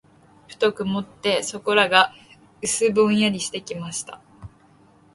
ふと曇って、そこらが薄ぼんやりしてきました。